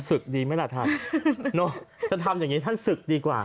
ดีไหมล่ะท่านจะทำอย่างนี้ท่านศึกดีกว่า